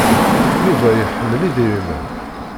Yuba iḥemmel idrimen.